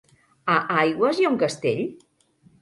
A Aigües hi ha un castell?